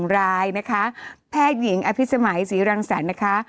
๒๐๙รายนะคะแพทย์หญิงอภิสมัยสีรังสันนะคะ